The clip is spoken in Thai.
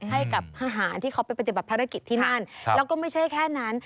ให้กับทหารที่เค้าไปปฏิบับภารกิจที่นั่น